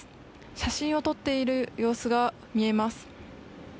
写真を撮っている様子が見えます。